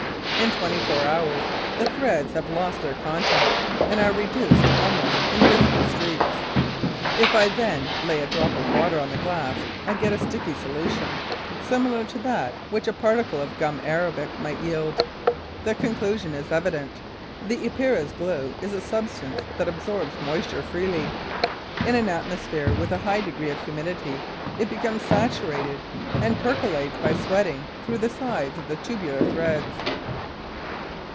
In twenty four hours, the threads have lost their contents and are reduced to almost invisible streaks. If I then lay a drop of water on the glass, I get a sticky solution, similar to that which a particle of gum arabic might yield. The conclusion is evident: the Epeira's glue is a substance that absorbs moisture freely. In an atmosphere with a high degree of humidity, it becomes saturated and percolates by sweating through the side of the tubular threads.